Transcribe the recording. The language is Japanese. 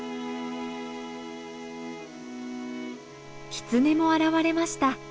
キツネも現れました。